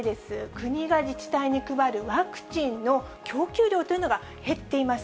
国が自治体に配るワクチンの供給量というのが減っています。